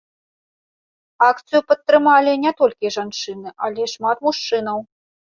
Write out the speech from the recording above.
Акцыю падтрымалі не толькі жанчыны, але і шмат мужчынаў.